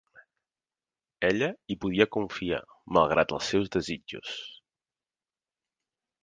Ella hi podia confiar, malgrat els seus desitjos.